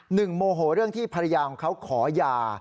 โมโหเรื่องที่ภรรยาของเขาขอยา